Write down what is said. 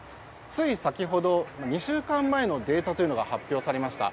つい先ほど２週間前のデータが発表されました。